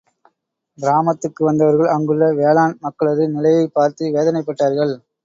கிராமத்துக்கு வந்தவர்கள், அங்குள்ள வேளாண் மக்களது நிலையைப் பார்த்து வேதனைப்பட்டார்கள்.